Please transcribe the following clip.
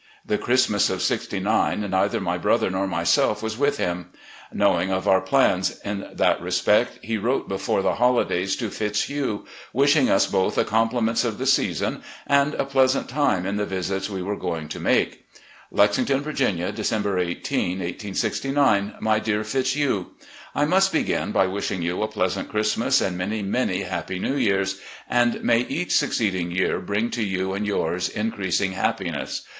The Christmas of '69, neither my brother nor myself was with him. Knowing of our plans in that respect, he wrote before the holidays to Fitzhugh, wishing us both the compliments of the season and a pleasant time in the visits we were going to make ; "Lexington, Viiginia, December 18, 1869. "My Dear Fitzhugh: I must begin by wishing you a pleasant Christmas and many, many Happy New Years, and may each succeeding year bring to you and yours increasing happiness.